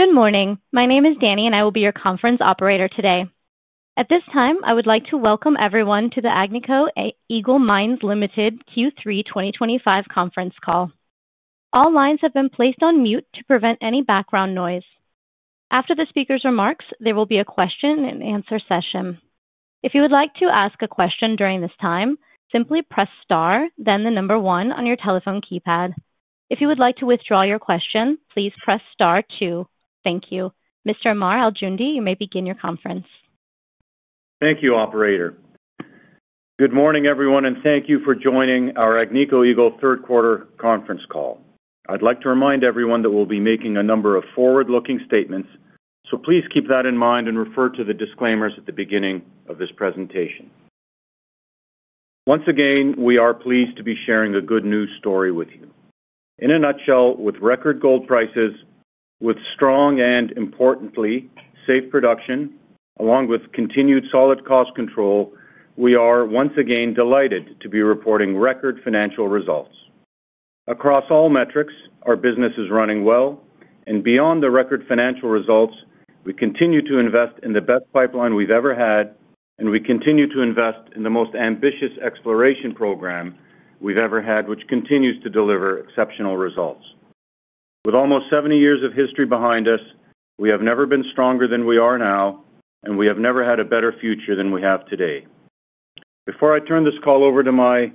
Good morning, my name is Dani and I will be your conference operator today. At this time I would like to welcome everyone to the Agnico Eagle Mines Limited Q3 2025 conference call. All lines have been placed on mute to prevent any background noise. After the speaker's remarks, there will be a question and answer session. If you would like to ask a question during this time, simply press star then the number one on your telephone keypad. If you would like to withdraw your question, please press star two. Thank you, Mr. Ammar Al-Joundi. You may begin your conference. Thank you, Operator. Good morning, everyone, and thank you for joining our Agnico Eagle third quarter conference call. I'd like to remind everyone that we'll be making a number of forward-looking statements, so please keep that in mind and refer to the disclaimers at the beginning of this presentation. Once again, we are pleased to be sharing a good news story with you. In a nutshell, with record gold prices, with strong and, importantly, safe production, along with continued solid cost control, we are once again delighted to be reporting record financial results across all metrics. Our business is running well, and beyond the record financial results, we continue to invest in the best pipeline we've ever had, and we continue to invest in the most ambitious exploration program we've ever had, which continues to deliver exceptional results. With almost 70 years of history behind us, we have never been stronger than we are now, and we have never had a better future than we have today. Before I turn this call over to my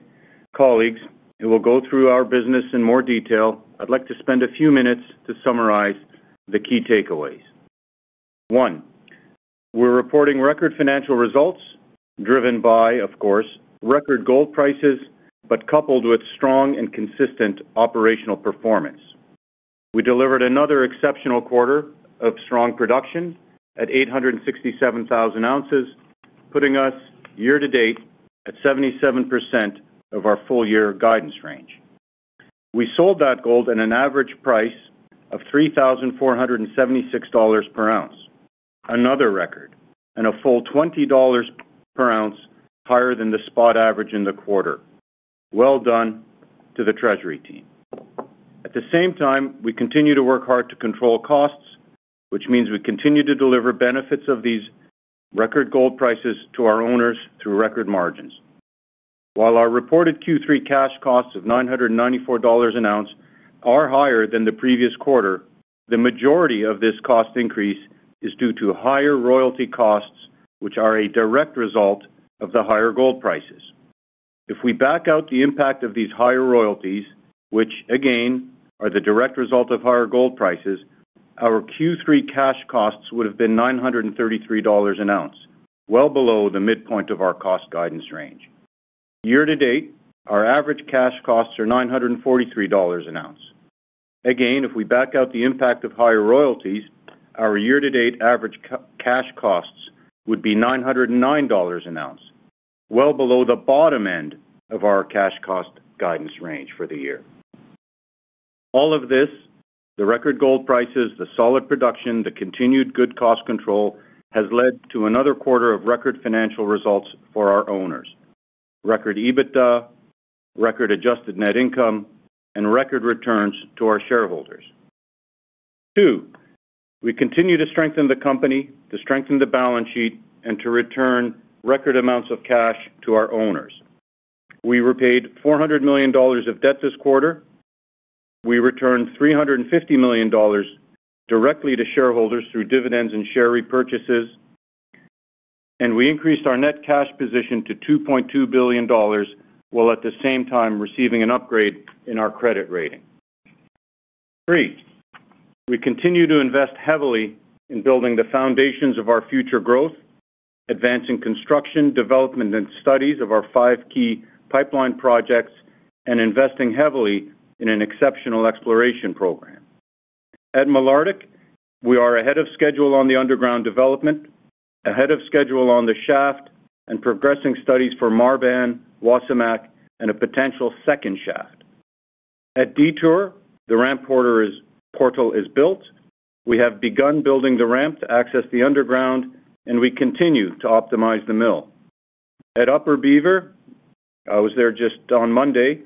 colleagues who will go through our business in more detail, I'd like to spend a few minutes to summarize the key takeaways. 1. We're reporting record financial results driven by, of course, record gold prices, but coupled with strong and consistent operational performance, we delivered another exceptional quarter of strong production at 867,000 oz, putting us year-to-date at 77% of our full year guidance range. We sold that gold at an average price of $3,476 per oz, another record, and a full $20 per oz higher than the spot average in the quarter. Well done to the treasury team. At the same time, we continue to work hard to control costs, which means we continue to deliver benefits of these record gold prices to our owners through record margins. While our reported Q3 cash costs of $994 an oz are higher than the previous quarter, the majority of this cost increase is due to higher royalty costs, which are a direct result of the higher gold prices. If we back out the impact of these higher royalties, which again are the direct result of higher gold prices, our Q3 cash costs would have been $933 an oz, well below the midpoint of our cost guidance range. Year-to-date our average cash costs are $943 an oz. Again, if we back out the impact of higher royalties, our year-to-date average cash costs would be $909 an oz, well below the bottom end of our cash cost guidance range for the year. All of this, the record gold prices, the solid production, the continued good cost control has led to another quarter of record financial results for our owners, record EBITDA, record adjusted net income, and record returns to our shareholders. 2. We continue to strengthen the company, to strengthen the balance sheet, and to return record amounts of cash to our owners. We repaid $400 million of debt this quarter, we returned $350 million directly to shareholders through dividends and share repurchases, and we increased our net cash position to $2.2 billion while at the same time receiving an upgrade in our credit rating. We continue to invest heavily in building the foundations of our future growth, advancing construction, development, and studies of our five key pipeline projects, and investing heavily in an exceptional exploration program. At Canadian Malartic, we are ahead of schedule on the underground development, ahead of schedule on the shaft, and progressing studies for Marban, Wasamac, and a potential second shaft. At Detour, the ramp portal is built. We have begun building the ramp to access the underground, and we continue to optimize the mill. At Upper Beaver, I was there just on Monday.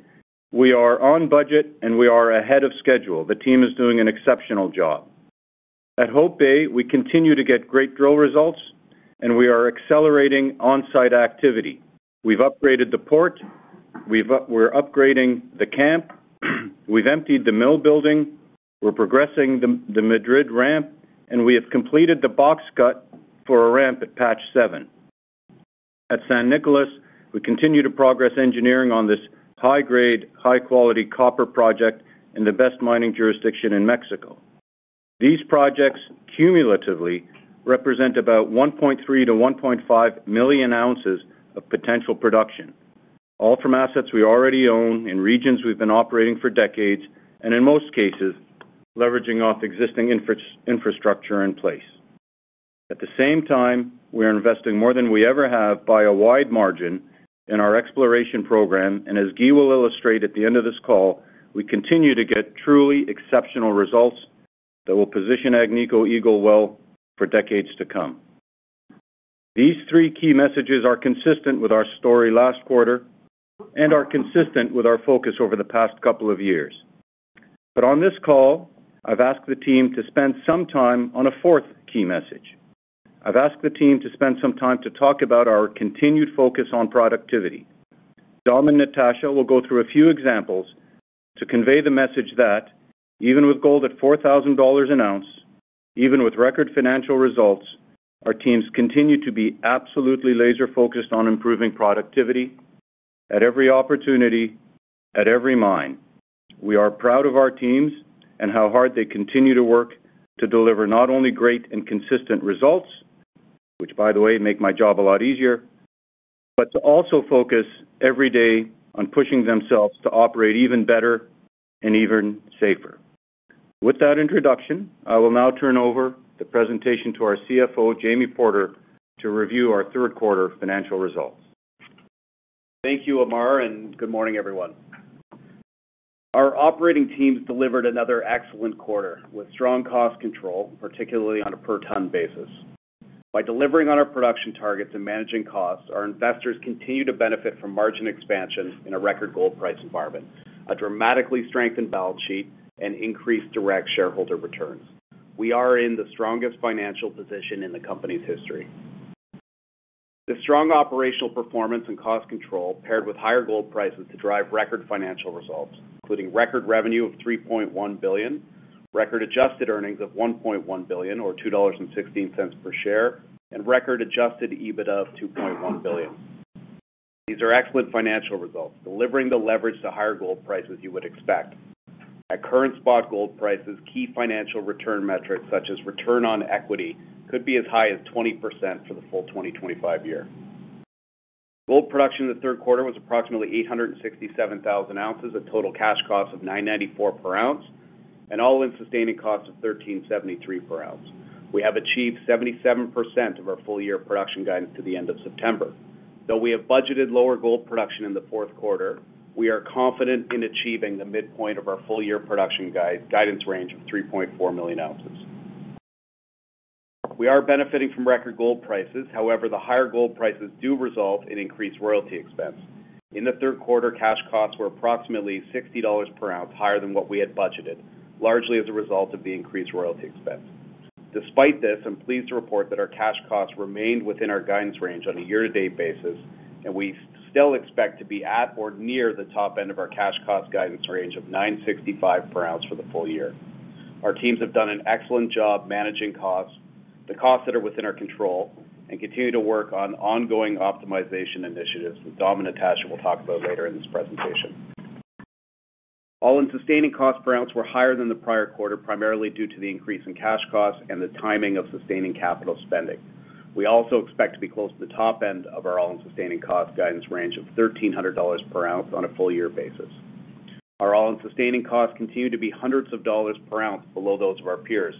We are on budget, and we are ahead of schedule. The team is doing an exceptional job. At Hope Bay, we continue to get great drill results, and we are accelerating on-site activity. We've upgraded the port, we're upgrading the camp, we've emptied the mill building, we're progressing the Madrid ramp, and we have completed the box cut for a ramp at Patch 7. At San Nicolas, we continue to progress engineering on this high-grade, high-quality copper project in the best mining jurisdiction in Mexico. These projects cumulatively represent about 1.3 million-1.5 million oz of potential production, all from assets we already own in regions we've been operating for decades and in most cases leveraging off existing infrastructure in place. At the same time, we are investing more than we ever have by a wide margin in our exploration program. As Guy will illustrate at the end of this call, we continue to get truly exceptional results that will position Agnico Eagle Mines Limited well for decades to come. These three key messages are consistent with our story last quarter and are consistent with our focus over the past couple of years. On this call, I've asked the team to spend some time on a fourth key message. I've asked the team to spend some time to talk about our continued focus on productivity. Dominique and Natasha will go through a few examples to convey the message that even with gold at $4,000 an oz, even with record financial results, our teams continue to be absolutely laser focused on improving productivity at every opportunity at every mine. We are proud of our teams and how hard they continue to work to deliver not only great and consistent results, which by the way make my job a lot easier, but to also focus every day on pushing themselves to operate even better and even safer. With that introduction, I will now turn over the presentation to our CFO Jamie Porter to review our third quarter financial results. Thank you Ammar and good morning everyone. Our operating teams delivered another excellent quarter with strong cost control, particularly on a per ton basis. By delivering on our production targets and managing costs, our investors continue to benefit from margin expansion. In a record gold price environment, a dramatically strengthened balance sheet and increased direct shareholder returns, we are in the strongest financial position in the company's history. The strong operational performance and cost control paired with higher gold prices to drive record financial results, including record revenue of $3.1 billion, record adjusted earnings of $1.1 billion or $2.16 per share, and record adjusted EBITDA of $2.1 billion. These are excellent financial results, delivering the leverage to higher gold prices you would expect at current spot gold prices. Key financial return metrics such as return on equity could be as high as 20% for the full 2025 year. Gold production in the third quarter was approximately 867,000 oz, a total cash cost of $9.94 per oz and all-in sustaining cost of $13.73 per oz. We have achieved 77% of our full year production guidance to the end of September. Though we have budgeted lower gold production in the fourth quarter, we are confident in achieving the midpoint of our full year production guidance range of 3.4 million oz. We are benefiting from record gold prices. However, the higher gold prices do result in increased royalty expense. In the third quarter, cash costs were approximately $60 per oz higher than what we had budgeted, largely as a result of the increased royalty expense. Despite this, I'm pleased to report that our cash costs remained within our guidance range on a year-to-date basis and we still expect to be at or near the top end of our cash cost guidance range of $9.65 per oz for the full year. Our teams have done an excellent job managing costs, the costs that are within our control and continue to work on ongoing optimization initiatives that Dominique and Natasha will talk about later in this presentation. All-in sustaining costs per oz were higher than the prior quarter, primarily due to the increase in cash costs and the timing of sustaining capital spending. We also expect to be close to the top end of our all-in sustaining cost guidance range of $1,300 per oz on a full year basis. Our all-in sustaining costs continue to be hundreds of dollars per ounce below those of our peers.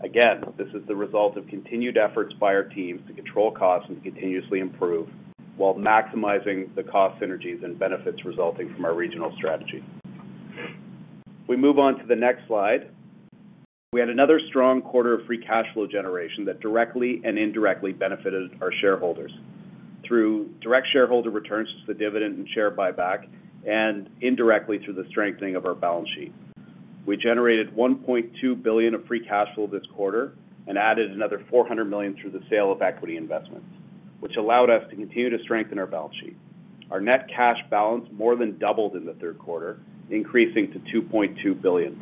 Again, this is the result of continued efforts by our teams to control costs and continuously improve while maximizing the cost synergies and benefits resulting from our regional strategy. We move on to the next slide. We had another strong quarter of free cash flow generation that directly and indirectly benefited our shareholders through direct shareholder returns to the dividend and share buyback and indirectly through the strengthening of our balance sheet. We generated $1.2 billion of free cash flow this quarter and added another $400 million through the sale of equity investments, which allowed us to continue to strengthen our balance sheet. Our net cash balance more than doubled in the third quarter, increasing to $2.2 billion.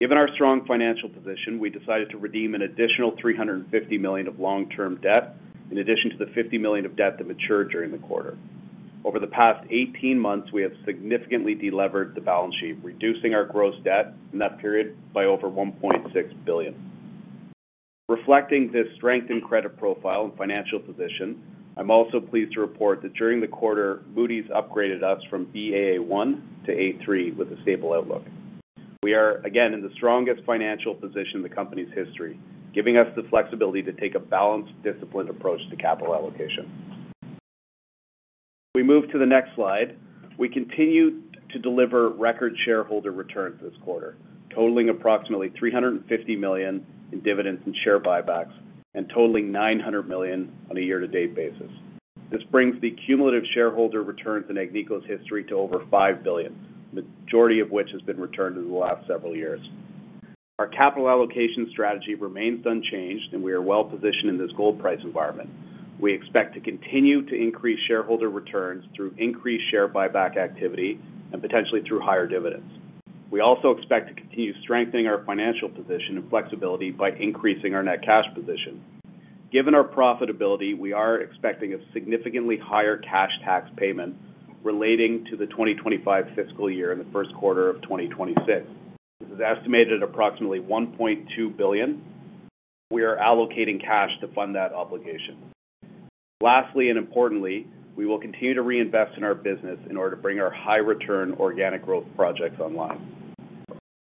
Given our strong financial position, we decided to redeem an additional $350 million of long-term debt in addition to the $50 million of debt that matured during the quarter. Over the past 18 months, we have significantly delevered the balance sheet, reducing our gross debt in that period by over $1.6 billion. Reflecting this strength in credit profile and financial position, I'm also pleased to report that during the quarter Moody’s upgraded us from Baa1 to A3 with a stable outlook. We are again in the strongest financial position in the company's history, giving us the flexibility to take a balanced, disciplined approach to capital allocation. We move to the next slide. We continue to deliver record shareholder returns this quarter, totaling approximately $350 million in dividends and share buybacks and totaling $900 million on a year-to-date basis. This brings the cumulative shareholder returns in Agnico Eagle's history to over $5 billion, the majority of which has been returned over the last several years. Our capital allocation strategy remains unchanged and we are well positioned in this gold price environment. We expect to continue to increase shareholder returns through increased share buyback activity and potentially through higher dividends. We also expect to continue strengthening our financial position and flexibility by increasing our net cash position. Given our profitability, we are expecting a significantly higher cash tax payment relating to the 2025 fiscal year in the first quarter of 2026. This is estimated at approximately $1.2 billion. We are allocating cash to fund that obligation. Lastly, and importantly, we will continue to reinvest in our business in order to bring our high return organic growth project.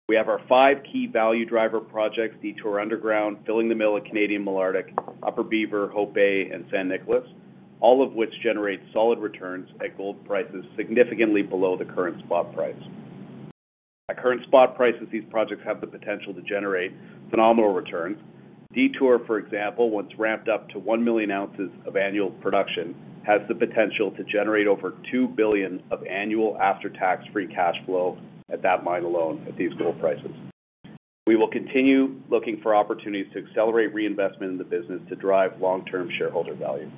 We have our five key value driver projects: Detour, underground, filling the mill at Canadian Malartic, Upper Beaver, Hope Bay, and San Nicolas, all of which generate solid returns at gold prices significantly below the current spot price. At current spot prices, these projects have the potential to generate phenomenal returns. Detour, for example, once ramped up to 1 million oz of annual production, has the potential to generate over $2 billion of annual after-tax free cash flow at that mine alone. At these gold prices, we will continue looking for opportunities to accelerate reinvestment in the business to drive long-term shareholder value.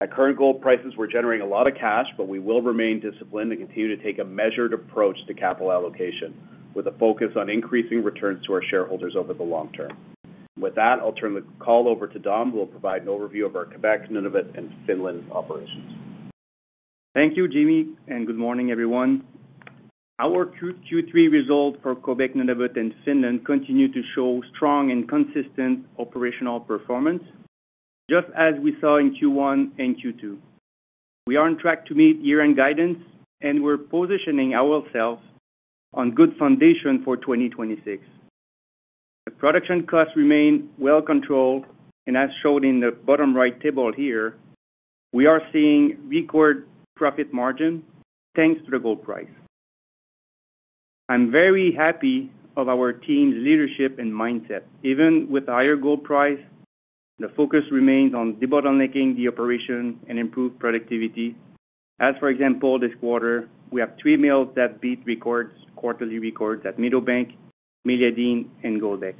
At current gold prices, we're generating a lot of cash, but we will remain disciplined and continue to take a measured approach to capital allocation with a focus on increasing returns to our shareholders over the long term. With that, I'll turn the call over to Dom who will provide an overview of our Quebec, Nunavut, and Finland operations. Thank you, Jamie, and good morning, everyone. Our Q3 results for Quebec, Nunavut, and Finland continue to show strong and consistent operational performance just as we saw in Q1 and Q2. We are on track to meet year-end guidance, and we're positioning ourselves on a good foundation for 2026. The production costs remain well controlled, and as shown in the bottom right table here, we are seeing record profit margin thanks to the gold price. I'm very happy of our team's leadership and mindset. Even with higher gold price, the focus remains on debottlenecking the operation and improved productivity. For example, this quarter we have three mills that beat records, quarterly records at Meadowbank, Meliadine, and Goldex.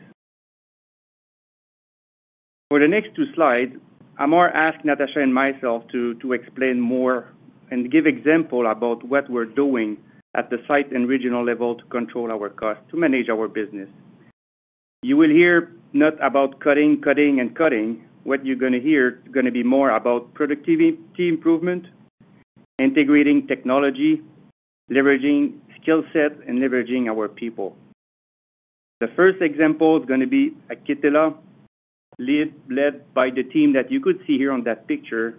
For the next two slides, Ammar asked Natasha and myself to explain more and give example about what we're doing at the site and regional level to control our cost to manage our business. You will hear not about cutting, cutting, and cutting. What you're going to hear is going to be more about productivity improvement, integrating technology, leveraging skill set, and leveraging our people. The first example is going to be at Kittilä, led by the team that you could see here on that picture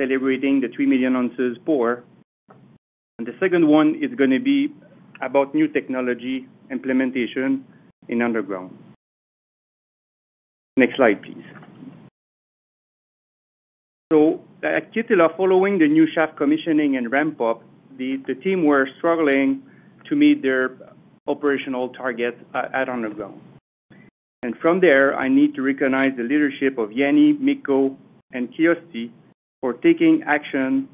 celebrating the 3 million oz pour. The second one is going to be about new technology implementation in Underground. Next slide, please. At Kittilä, following the new shaft commissioning and ramp-up, the team were struggling to meet their operational target at Underground. From there, I need to recognize the leadership of Jani, Mikko, and Kyösti for taking action,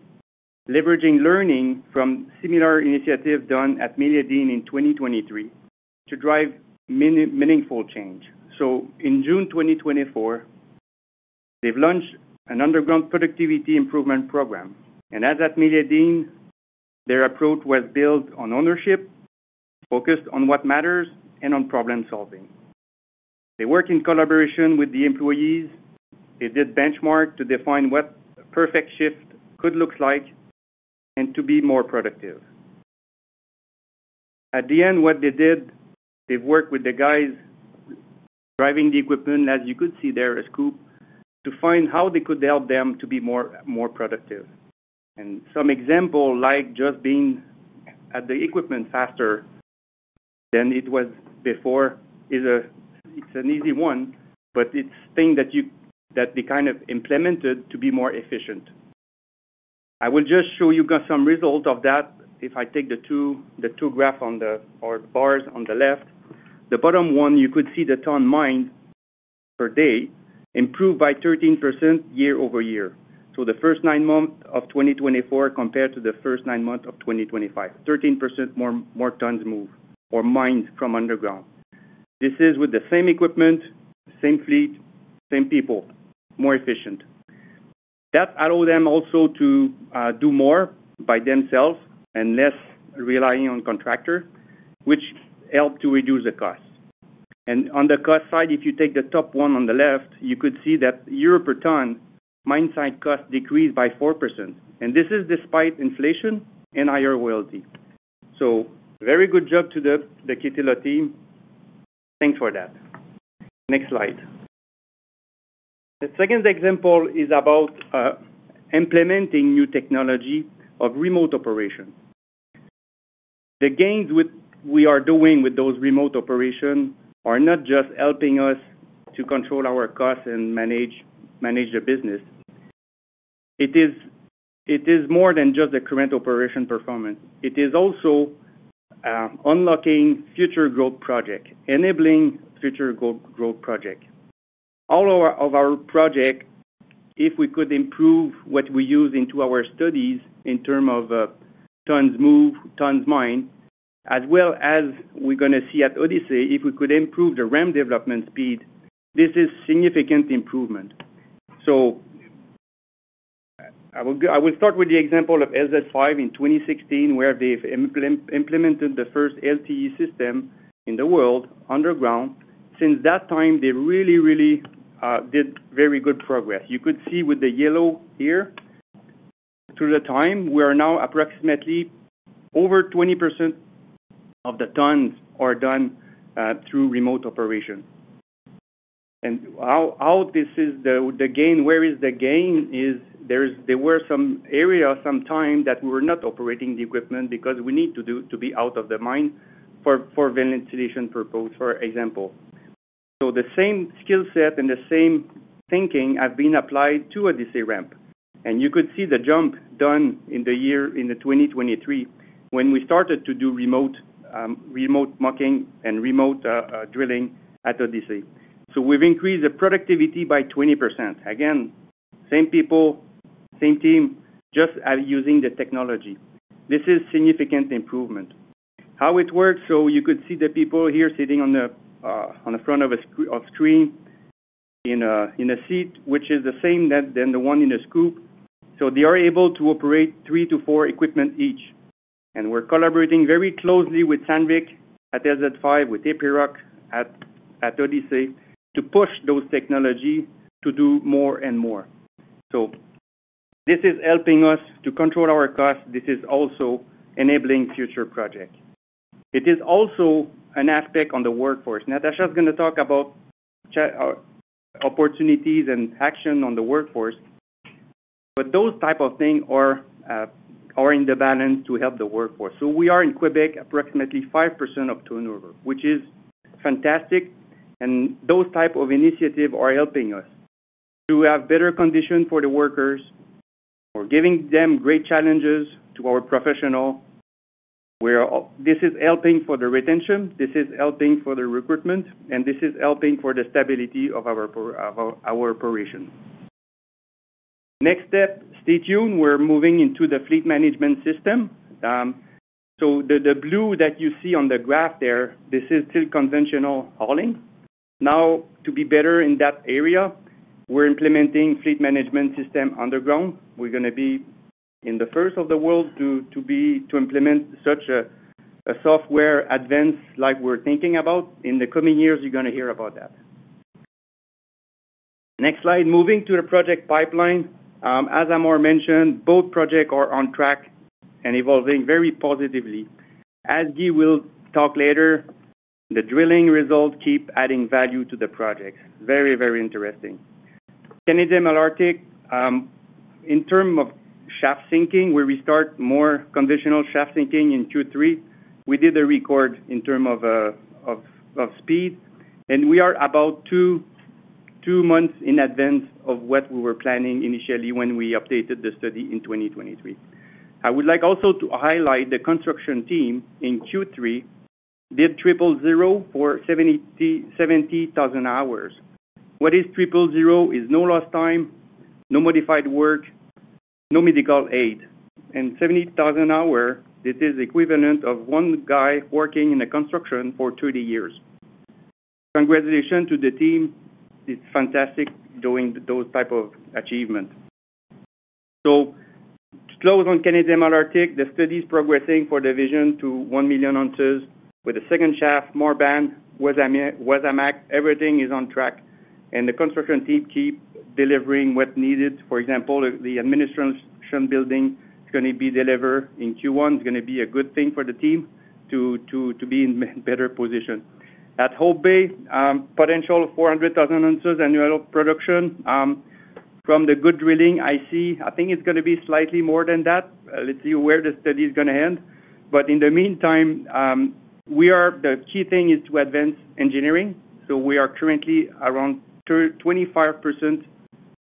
leveraging learning from similar initiatives done at Meliadine in 2023 to drive meaningful change. In June 2024, they've launched an underground productivity improvement program. As at Meliadine, their approach was built on ownership, focused on what matters, and on problem solving. They work in collaboration with the employees. They did benchmarks to define what perfect shift could look like and to be more productive. At the end, what they did, they worked with the guys driving the equipment. As you could see there, a scoop, to find how they could help them to be more productive. Some example, like just being at the equipment faster than it was before, is an easy one. It's things that they kind of implemented to be more efficient. I will just show you some results of that. If I take the two graphs on the bars on the left, the bottom one, you could see the tons mined per day improved by 13% year-over-year. The first nine months of 2024 compared to the first of 2025, 13% more tons moved or mined from underground. This is with the same equipment, same fleet, same people, more efficient that allow them also to do more by themselves and less relying on contractor, which helps to reduce the cost. On the cost side, if you take the top one on the left, you could see that euro per ton mine site cost decreased by 4%. This is despite inflation and higher royalty. Very good job to the Kittilä team. Thanks for that. Next slide. The second example is about implementing new technology of remote operations. The gains we are doing with those remote operations are not just helping us to control our costs and manage the business. It is more than just the current operation performance. It is also unlocking future growth projects. Enabling future growth projects. All of our projects. If we could improve what we use into our studies in terms of tons moved, tons mined as well as we're going to see at Odyssey, if we could improve the ramp development speed. This is significant improvement. I will start with the example of LZ5 in 2016 where they've implemented the first LTE system in the world underground. Since that time they really, really did very good progress. You could see with the yellow here through the time we are now approximately over 20% of the tons are done through remote operation. This is the gain. Where is the gain is there were some areas sometime that we were not operating the equipment because we need to be out of the mine for ventilation addition purpose, for example. The same skill set and the same thinking have been applied to a DC ramp. You could see the jump done in the year in 2023 when we started to do remote mucking and remote drilling at Odyssey. We've increased the productivity by 20% again, same people, same team, just using the technology. This is significant improvement how it works. You could see the people here sitting on the front of a screen in a seat which is the same as the one in a scoop. They are able to operate three to four equipment each. We're collaborating very closely with Sandvik at LZ5, with Epiroc at Odyssey to push those technologies to do more and more. This is helping us to control our costs. This is also enabling future projects. It is also an aspect on the workforce. Natasha Vaz is going to talk about opportunities and action on the workforce. Those type of things are in the balance to help the workforce. We are in Quebec, approximately 5% of turnover, which is fantastic. Those type of initiatives are helping us to have better conditions for the workers. We're giving them great challenges to our professional. This is helping for the retention, this is helping for the recruitment, and this is helping for the stability of our operations. Next step, stay tuned. We're moving into the fleet management system. The blue that you see on the graph there, this is still conventional hauling. Now, to be better in that area, we're implementing fleet management system underground. We're going to be in the first of the world to implement such a software advance like we're thinking about in the coming years. You're going to hear about that. Next. Slide moving to the project pipeline. As Ammar mentioned, both projects are on track and evolving very positively. As Guy will talk later, the drilling results keep adding value to the project. Very, very interesting. Canadian Malartic. In terms of shaft sinking, where we start? More conventional shaft sinking. In Q3 we did a record in terms of speed and we are about two months in advance of what we were planning initially when we updated the study in 2023. I would like also to highlight the construction team in Q3 did triple zero for 70,000 hours. What is triple zero is no lost time, no modified work, no medical aid and 70,000 hours. This is equivalent of one guy working in the construction for 30 years. Congratulations to the team. It's fantastic doing those type of achievements. To close on Canadian Malartic, the study is progressing for division to 1 million oz with the second shaft. We're on track and the construction team keep delivering what's needed. For example, the administration building is going to be delivered in Q1. It's going to be a good thing for the team to be in better position at Hope Bay. Potential of 400,000 oz annual production from the good drilling. I see. I think it's going to be slightly more than that. Let's see where the study is going to end. In the meantime, the key thing is to advance engineering. We are currently around 25%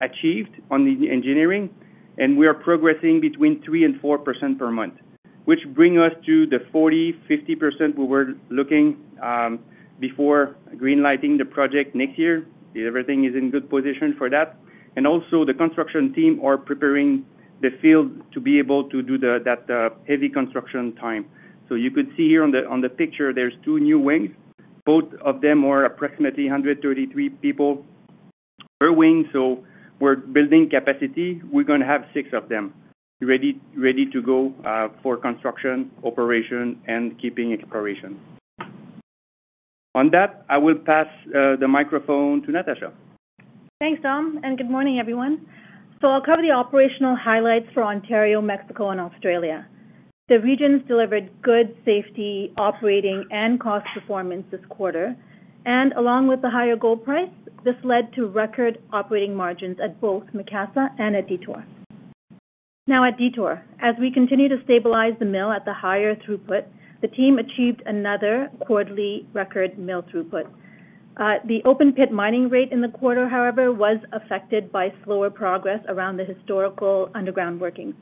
achieved on the engineering and we are progressing between 3%-4% per month, which brings us to the 40%-50% we were looking before green lighting the project next year. Everything is in good position for that. Also, the construction team are preparing the field to be able to do that heavy construction time. You could see here on the picture, there's two new wings. Both of them are approximately 133 people per wing. We're building capacity. We're going to have six of them ready to go for construction operation and keeping exploration on that. I will pass the microphone to Natasha. Thanks Dominique and good morning everyone. I'll cover the operational highlights for Ontario, Mexico, and Australia. The regions delivered good safety, operating, and cost performance this quarter. Along with the higher gold price, this led to record operating margins at both Macassa and at Detour. At Detour, as we continue to stabilize the mill at the higher throughput, the team achieved another quarterly record mill throughput. The open pit mining rate in the quarter, however, was affected by slower progress around the historical underground workings.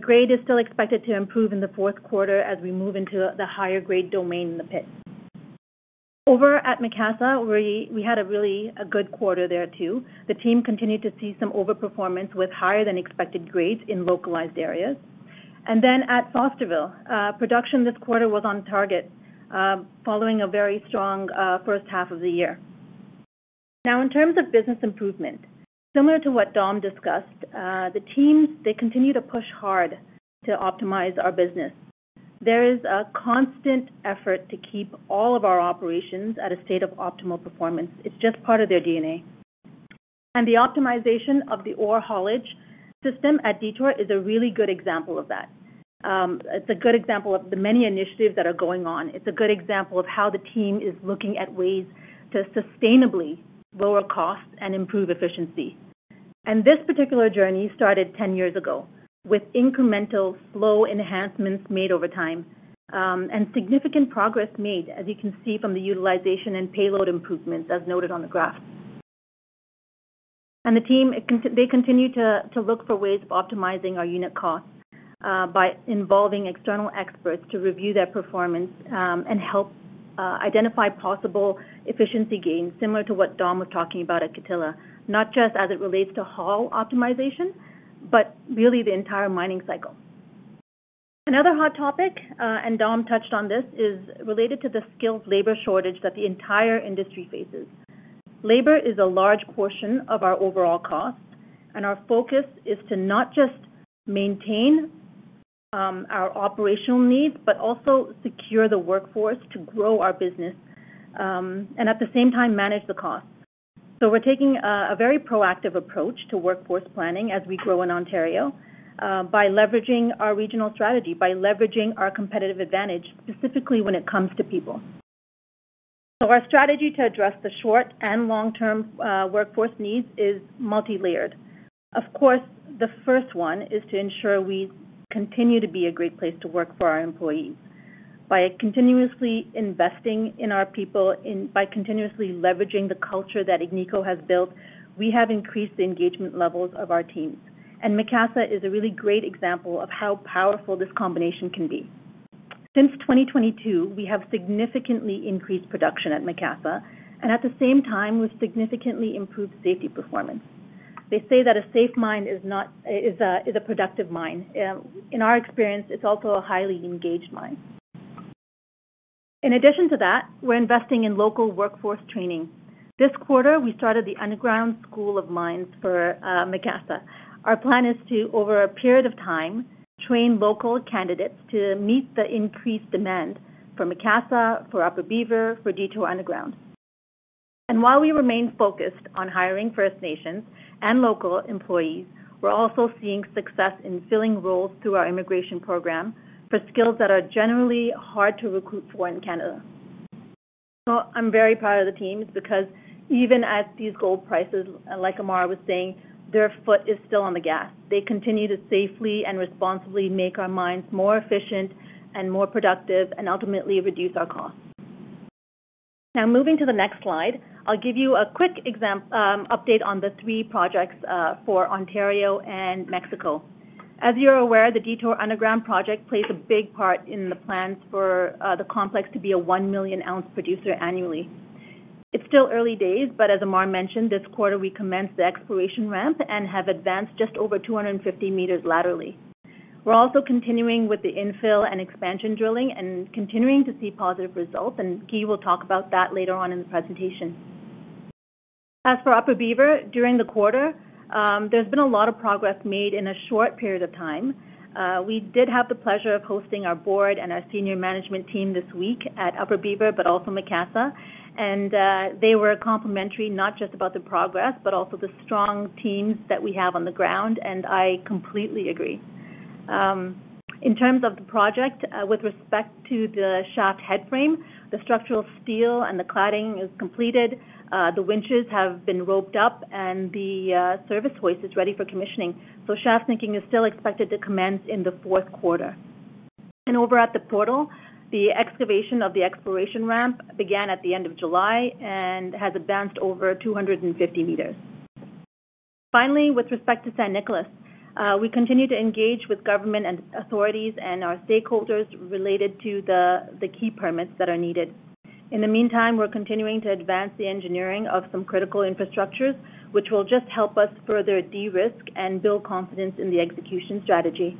Grade is still expected to improve in the fourth quarter as we move into the higher grade domain in the pit. Over at Macassa, we had a really good quarter there too. The team continued to see some overperformance with higher than expected grades in localized areas. At Fosterville, production this quarter was on target following a very strong first half of the year. In terms of business improvement, similar to what Dom discussed, the teams continue to push hard to optimize our business. There is a constant effort to keep all of our operations at a state of optimal performance. It's just part of their DNA. The optimization of the ore haulage system at Detour is a really good example of that. It's a good example of the many initiatives that are going on. It's a good example of how the team is looking at ways to sustainably lower costs and improve efficiency. This particular journey started 10 years ago with incremental slow enhancements made over time and significant progress made, as you can see from the utilization and payload improvements as noted on the graph. The team continues to look for ways of optimizing our unit costs by involving external experts to review their performance and help identify possible efficiency gains. Similar to what Dom was talking about at Kittilä, not just as it relates to haul optimization, but really the entire mining cycle. Another hot topic, and Dom touched on this, is related to the skilled labor shortage that the entire industry faces. Labor is a large portion of our overall cost and our focus is to not just maintain our operational needs, but also secure the workforce to grow our business and at the same time manage the costs. We're taking a very proactive approach to workforce planning as we grow in Ontario by leveraging our regional strategy, by leveraging our competitive advantage, specifically when it comes to people. Our strategy to address the short and long term workforce needs is multi-layered. The first one is to ensure we continue to be a great place to work for our employees. By continuously investing in our people, by continuously leveraging the culture that Agnico Eagle has built, we have increased the engagement levels of our teams. Macassa is a really great example of how powerful this combination can be. Since 2022, we have significantly increased production at Macassa and at the same time have significantly improved safety performance. They say that a safe mine is a productive mine. In our experience, it's also a highly engaged mine. In addition to that, we're investing in local workforce training. This quarter we started the Underground School of Mines for Macassa. Our plan is to, over a period of time, train local candidates to meet the increased demand for Macassa, for Upper Beaver, for Detour Underground. While we remain focused on hiring First Nations and local employees, we're also seeing success in filling roles through our immigration program for skills that are generally hard to recruit for in Canada. I'm very proud of the team because even at these gold prices, like Ammar was saying, their foot is still on the gas. They continue to safely and responsibly make our mines more efficient and more productive and ultimately reduce our costs. Now moving to the next slide, I'll give you a quick update on the three projects for Ontario and Mexico. As you're aware, the Detour Underground project plays a big part in the plans for the complex to be a 1 million oz producer annually. It's still early days, but as Ammar mentioned, this quarter we commenced the exploration ramp and have advanced just over 250 m laterally. We're also continuing with the infill and expansion drilling and continuing to see positive results. Guy will talk about that later on in the presentation. As for Upper Beaver, during the quarter, there's been a lot of progress made in a short period of time. We did have the pleasure of hosting our board and our senior management team this week at Upper Beaver, but also Macassa, and they were complimentary not just about the progress but also the strong teams that we have on the ground. I completely agree. In terms of the project, with respect to the shaft head frame, the structural steel and the cladding is completed, the winches have been roped up and the service hoist is ready for commissioning. Shaft sinking is still expected to commence in the fall, fourth quarter, and over at the portal, the excavation of the exploration ramp began at the end of July and has advanced over 250 m. Finally, with respect to San Nicolas, we continue to engage with government authorities and our stakeholders related to the key permits that are needed. In the meantime, we're continuing to advance the engineering of some critical infrastructures, which will just help us further de-risk and build confidence in the execution strategy.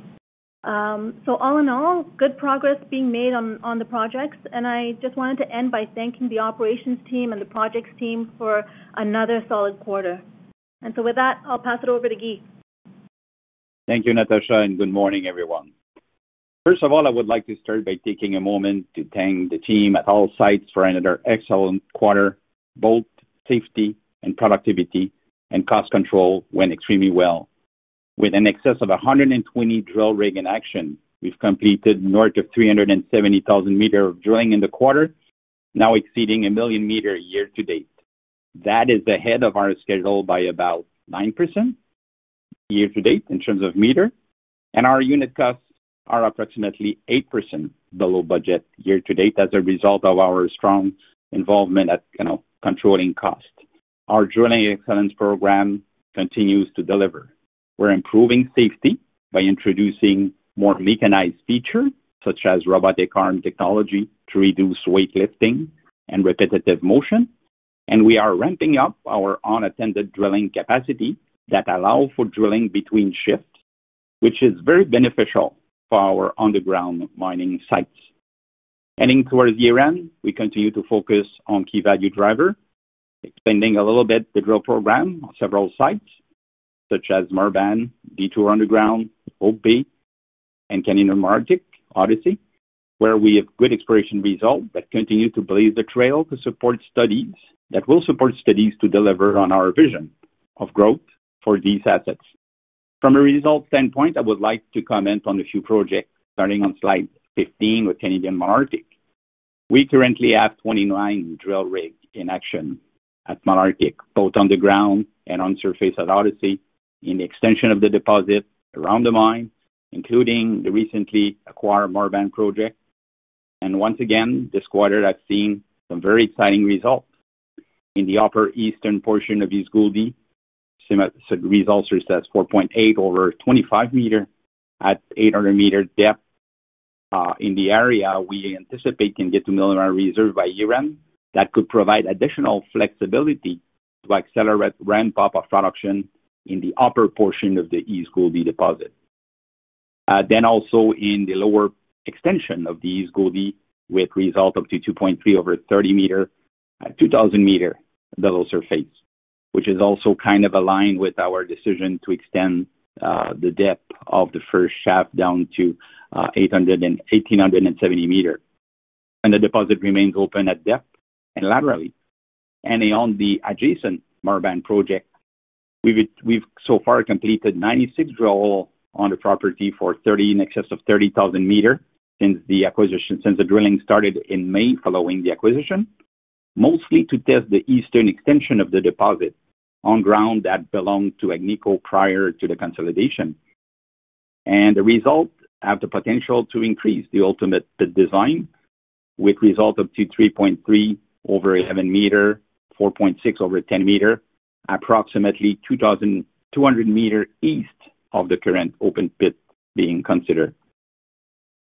All in all, good progress is being made on the projects, and I just wanted to end by thanking the operations team and the projects team for another solid quarter. With that, I'll pass it over to Guy. Thank you, Natasha, and good morning, everyone. First of all, I would like to start by taking a moment to thank the team at all sites for another excellent quarter. Both safety and productivity and cost control went extremely well with in excess of 120 drill rigs in action. We've completed north of 370,000 m of drilling in the quarter, now exceeding a million meters year-to-date. That is ahead of our schedule by about 9% year-to-date in terms of meters, and our unit costs are approximately 8% below budget year-to-date. As a result of our strong involvement at controlling cost, our drilling excellence program continues to deliver. We're improving safety by introducing more mechanized features such as robotic arm technology to reduce weightlifting and repetitive motion. We are ramping up our unattended drilling capacity that allows for drilling between shifts, which is very beneficial for our underground mining sites. Heading towards year end, we continue to focus on key value drivers, expanding a little bit the drill program on several sites such as Marban, Detour Underground, Hope Bay, and Canadian Malartic Odyssey, where we have good exploration results that continue to blaze the trail to support studies that will support studies to deliver on our vision of growth for these assets. From a result standpoint, I would like to comment on a few projects, starting on slide 15 with Canadian Malartic. We currently have 29 drill rigs in action at Malartic, both underground and on surface at Odyssey, in the extension of the deposit around the mine, including the recently acquired Marban project. Once again, this quarter has seen some very exciting results in the upper eastern portion of East Gouldie. Same as elsewhere, 4.8 over 25 m at 800 m depth in the area we anticipate can get to millimeter reserve by year end. That could provide additional flexibility to accelerate ramp up of production in the upper portion of the East Gouldie deposit. Also, in the lower extension of the East Gouldie, with results up to 2.3 over 30 m, 2,000 meters below surface, which is also aligned with our decision to extend the depth of the first shaft down to 1,870 m, and the deposit remains open at depth and laterally. On the adjacent Marban project, we've so far completed 96 drills on the property for in excess of 30,000 m since the acquisition. Since the drilling started in May following the acquisition, mostly to test the eastern extension of the deposit on ground that belonged to Agnico prior to the consolidation, the results have the potential to increase the ultimate pit design with results up to 3.3 over 11 m, 4.6 over 10 m, approximately 2,200 m east of the current open pit being considered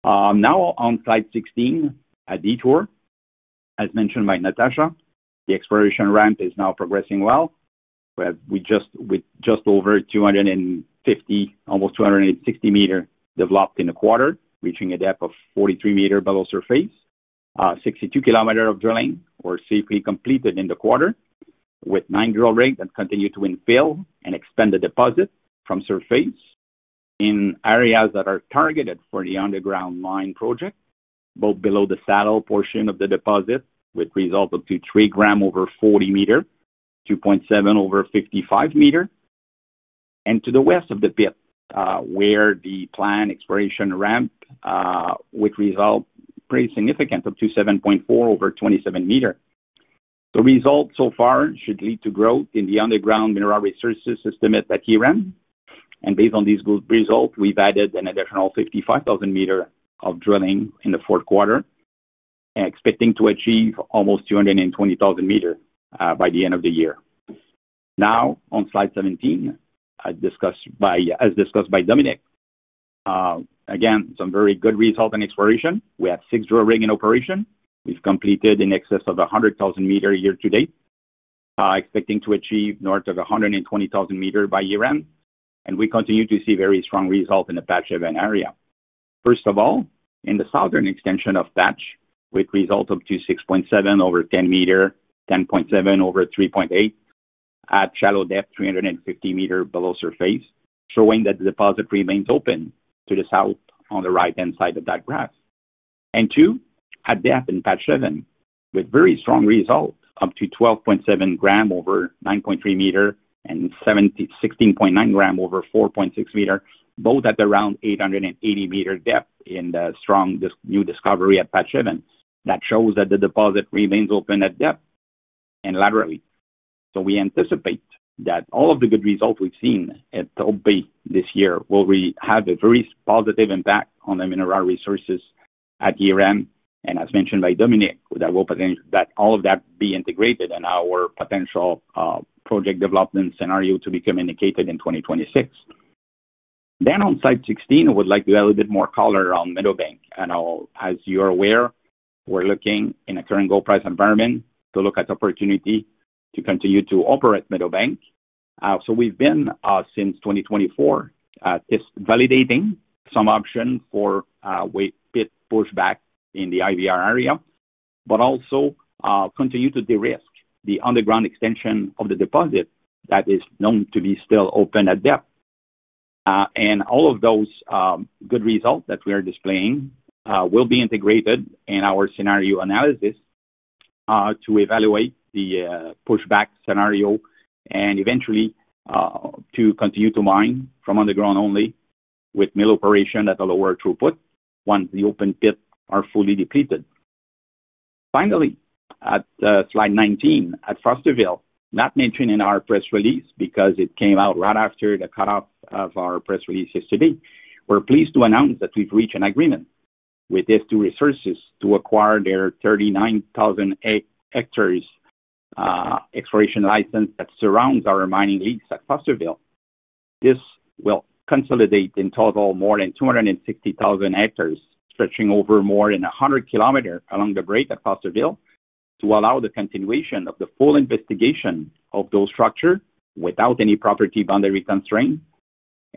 now on Slide 16. At Detour, as mentioned by Natasha, the exploration ramp is now progressing well with just over 250, almost 260 m developed in the quarter, reaching a depth of 43 m below surface. 62 km of drilling were safely completed in the quarter with 9 drill rigs that continue to infill and extend the deposit from surface in areas that are targeted for the underground mine project, both below the saddle portion of the deposit with results up to 3 g over 40 m, 2.7 over 55 m, and to the west of the pit where the planned exploration ramp, with results pretty significant up to 7.4 over 27 m. The results so far should lead to growth in the underground mineral resources system at Eran. Based on these good results, we've added an additional 55,000 m of drilling in the fourth quarter, expecting to achieve almost 220,000 m by the end of the year. Now on Slide 17, as discussed by Dominique, again some very good results in exploration. We have six drill rigs in operation. We've completed in excess of 100,000 m year-to-date, expecting to achieve north of 120,000 m by year end. We continue to see very strong results in the Patch event area. First of all, in the southern extension of Patch with results up to 6.7 over 10 m, 10.7 over 3.8 at shallow depth, 350 m below surface, showing that the deposit remains open to the south on the right-hand side of that graph. Two at depth in Patch Seven with very strong results up to 12.7 g over 9.3 m and 16.9 g over 4.6 m, both at around 880 m depth in the strong new discovery at Patch Seven that shows that the deposit remains open at depth and laterally. We anticipate that all of the good results we've seen at Top Bay this year will have a very positive impact on the mineral resources at DRM. As mentioned by Dominique, all of that will be integrated in our potential project development scenario to be communicated in 2026. On Slide 16, I would like to add a little bit more color on Meadowbank. As you are aware, we're looking in a current gold price environment to look at opportunity to continue to operate Meadowbank. We've been since 2024 validating some option for west pit pushback in the IVR area, but also continue to de-risk the underground extension of the deposit that is known to be still open at depth. All of those good results that we are displaying will be integrated in our scenario analysis to evaluate the pushback scenario and eventually to continue to mine from underground only with mill operation at a lower throughput once the open pits are fully depleted. Finally, at slide 19 at Fosterville, not mentioned in our press release because it came out right after the cutoff of our press release yesterday, we're pleased to announce that we've reached an agreement with S2 Resources to acquire their 39,000 hectares exploration license that surrounds our mining leases at Fosterville. This will consolidate in total more than 260,000 hectares stretching over more than 100 km along the break at Fosterville, to allow the continuation of the full investigation of those structures without any property boundary constraint.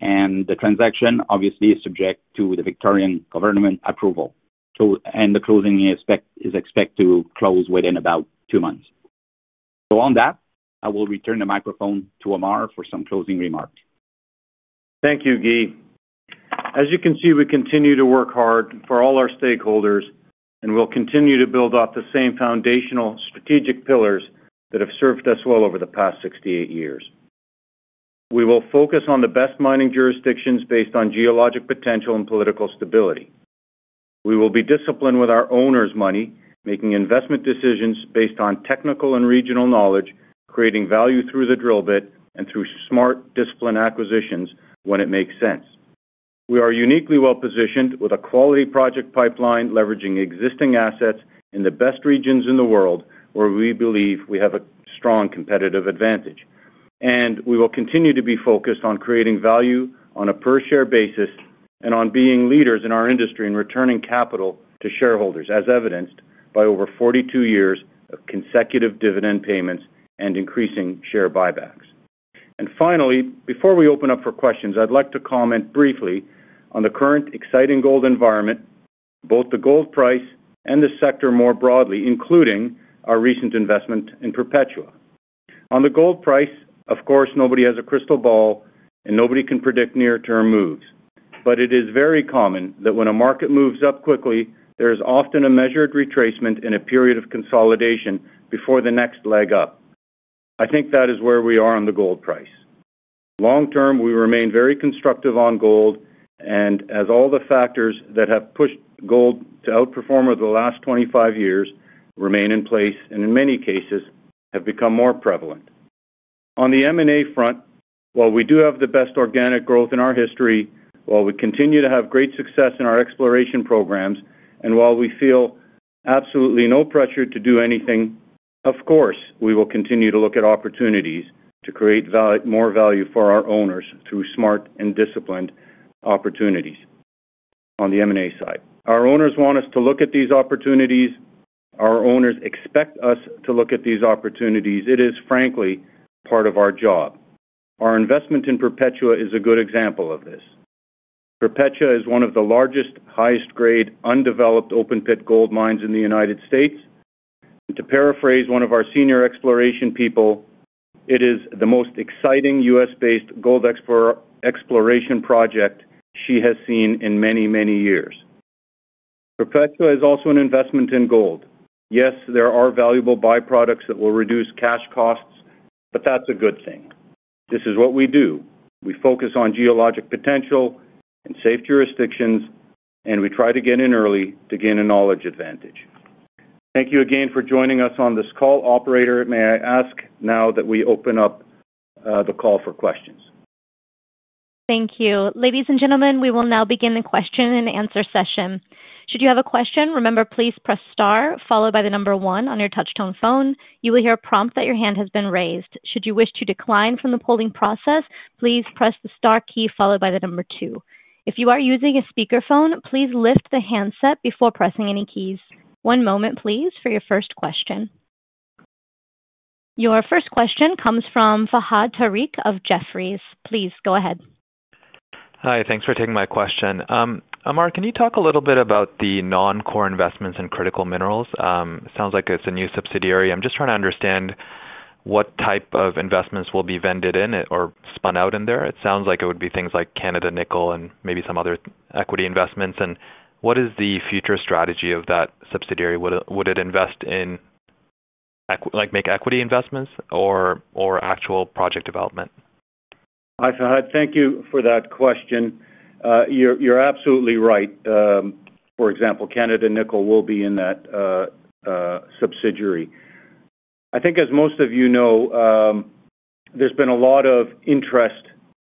The transaction obviously is subject to the Victorian government approval, and the closing is expected to close within about two months. On that I will return the microphone to Ammar for some closing remarks. Thank you, Guy. As you can see, we continue to work hard for all our stakeholders and we'll continue to build off the same foundational strategic pillars that have served us well over the past 68 years. We will focus on the best mining jurisdictions based on geologic potential and political stability. We will be disciplined with our owners' money, making investment decisions based on technical and regional knowledge, creating value through the drill bit and through smart, disciplined acquisitions when it makes sense. We are uniquely well positioned with a quality project pipeline, leveraging existing assets in the best regions in the world where we believe we have a strong competitive advantage. We will continue to be focused on creating value on a per share basis and on being leaders in our industry in returning capital to shareholders as evidenced by over 42 years of consecutive dividend payments and increasing share buybacks. Finally, before we open up for questions, I'd like to comment briefly on the current exciting gold environment, both the gold price and the sector more broadly, including our recent investment in Perpetua. On the gold price, of course nobody has a crystal ball and nobody can predict near-term moves. It is very common that when a market moves up quickly, there is often a measured retracement and a period of consolidation before the next leg up. I think that is where we are on the gold price. Long term, we remain very constructive on gold as all the factors that have pushed gold to outperform over the last 25 years remain in place and in many cases have become more prevalent. On the M&A front, while we do have the best organic growth in our history, while we continue to have great success in our exploration programs and while we feel absolutely no pressure to do anything, we will continue to look at opportunities to create more value for our owners through smart and disciplined opportunities. On the M&A side, our owners want us to look at these opportunities. Our owners expect us to look at these opportunities. It is frankly part of our job. Our investment in Perpetua is a good example of this. Perpetua is one of the largest, highest grade undeveloped open pit gold mines in the United States. To paraphrase one of our senior exploration people, it is the most exciting U.S.-based gold exploration project she has seen in many, many years. Perpetua is also an investment in gold. Yes, there are valuable byproducts that will reduce cash costs, but that's a good thing. This is what we do. We focus on geologic potential and safe jurisdictions and we try to get in early to gain a knowledge advantage. Thank you again for joining us on this call. Operator, may I ask now that we open up the call for questions? Thank you, ladies and gentlemen. We will now begin the question-and-answer session. Should you have a question, please press star followed by the number one on your touch tone phone. You will hear a prompt that your hand has been raised. Should you wish to decline from the polling process, please press the star key followed by the number two. If you are using a speakerphone, please lift the handset before pressing any keys. One moment, please, for your first question. Your first question comes from Fahad Tariq of Jefferies. Please go ahead. Hi. Thanks for taking my question. Ammar, can you talk a little bit about the non-core investments in critical minerals? Sounds like it's a new subsidiary. I'm just trying to understand what type of investments will be vended in or spun out in there. It sounds like it would be things like Canada Nickel and maybe some other equity investments. What is the future strategy of that subsidiary? Would it invest in, like, make equity investments or actual project development? Thank you for that question. You're absolutely right. For example, Canada Nickel will be in that subsidiary. I think, as most of you know, there's been a lot of interest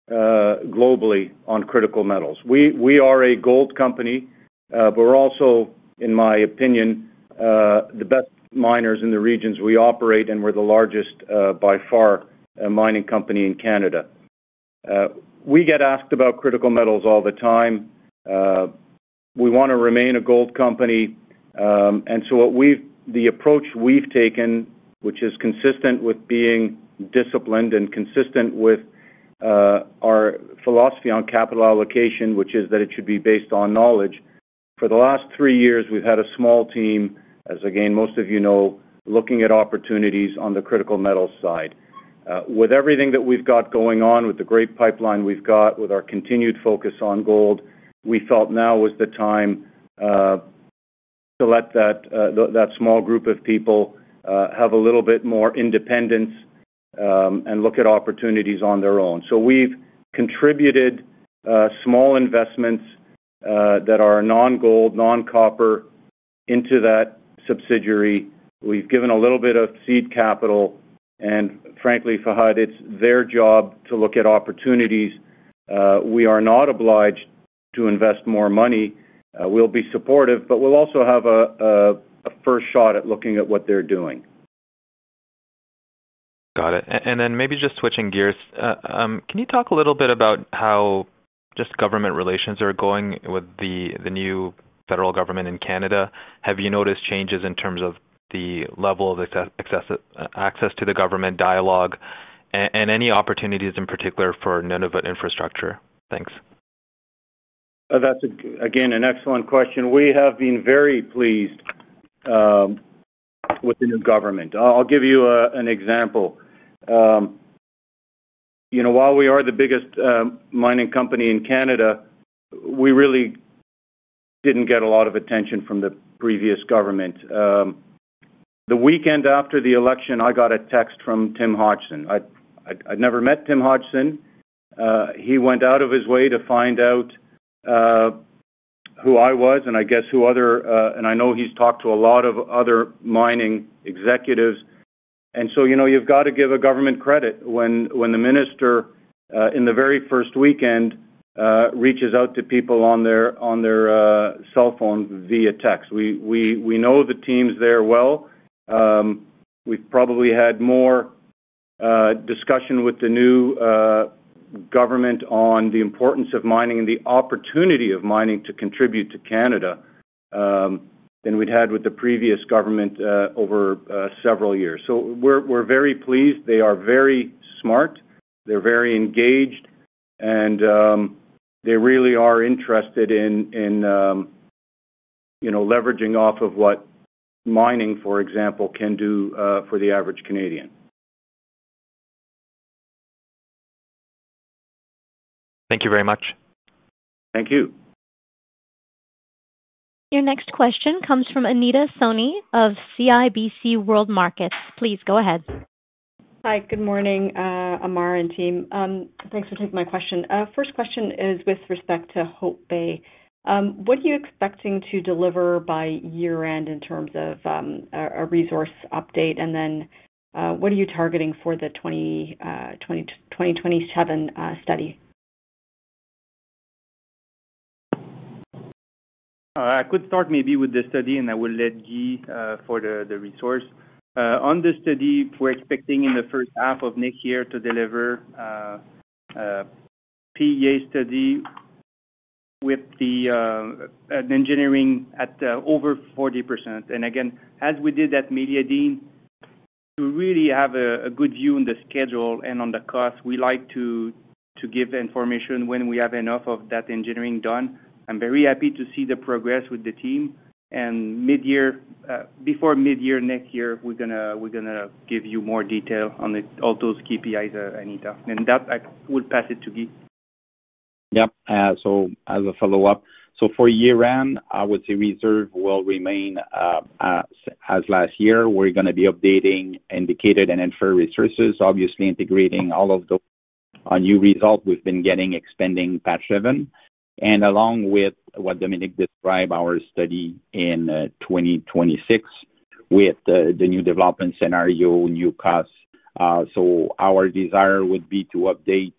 globally on critical metals. We are a gold company, but we're also, in my opinion, the best miners in the regions we operate. We're the largest by far mining company in Canada. We get asked about critical metals all the time. We want to remain a gold company. The approach we've taken, which is consistent with being disciplined and consistent with our philosophy on capital allocation, is that it should be based on knowledge. For the last three years we've had a small team, as most of you know, looking at opportunities on the critical metals side. With everything that we've got going on with the great pipeline we've got, with our continued focus on gold, we felt now was the time to let that small group of people have a little bit more independence and look at opportunities on their own. We've contributed small investments that are non-gold, non-copper into that subsidiary. We've given a little bit of seed capital and, frankly, Fahad, it's their job to look at opportunities. We are not obliged to invest more money. We'll be supportive, but we'll also have a first shot at looking at what they're doing. Got it. Maybe just switching gears. Can you talk a little bit about how government relations are going with the new federal government in Canada? Have you noticed changes in terms of the level of access to the government dialogue and any opportunities in particular for Nunavut infrastructure? Thanks. That's again an excellent question. We have been very pleased with the new government. I'll give you an example. While we are the biggest mining company in Canada, we really didn't get a lot of attention from the previous government. The weekend after the election I got a text from Tim Hodgson. I'd never met Tim Hodgson. He went out of his way to find out who I was and I guess who other. I know he's talked to a lot of other mining executives. You have to give a government credit when the minister in the very first weekend reaches out to people on their cell phone via text. We know the teams there well. We've probably had more discussion with the new government on the importance of mining and the opportunity of mining to contribute to Canada than we'd had with the previous government over several years. We are very pleased. They are very smart, they're very engaged and they really are interested in leveraging off of what mining for example can do for the average Canadian. Thank you very much. Thank you. Your next question comes from Anita Soni of CIBC World Markets. Please go ahead. Hi, good morning Ammar and team. Thanks for taking my question. First question is with respect to Hope Bay, what are you expecting to deliver by year end in terms of a resource update, and then what are you targeting for the 2027 study? I could start maybe with the study and I will let Guy for the resource. On the study, we're expecting in the first half of next year to deliver PEA study with the engineering at over 40%, and again as we did at Meliadine to really have a good view on the schedule and on the cost. We like to give information when we have enough of that engineering done. I'm very happy to see the progress with the team, and before mid year next year we're going to give you more detail on all those KPIs, Anita, and that I will pass it to Guy. Yes. As a follow-up, for year-end I would say reserve will remain as last year. We're going to be updating indicated and inferred resources, obviously integrating all of the new results. We've been getting, expanding Patch Seven, and along with what Dominique described, our study in 2026 with the new development scenario, new cost. Our desire would be to update